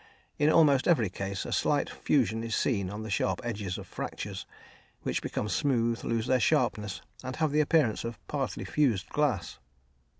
In almost every case a slight fusion is seen on the sharp edges of fractures, which become smooth, lose their sharpness, and have the appearance of partly fused glass.